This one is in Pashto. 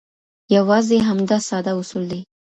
یوازې همدا ساده اصول دي.